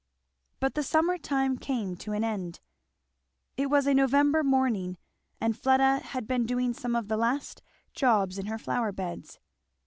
But the summer time came to an end. It was a November morning, and Fleda had been doing some of the last jobs in her flower beds.